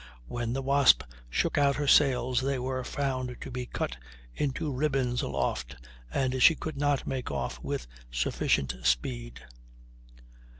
When the Wasp shook out her sails they were found to be cut into ribbons aloft, and she could not make off with sufficient speed.